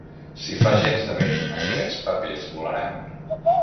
Si fa gens de vent, aquests papers volaran.